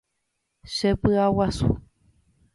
Chepy'aguasu.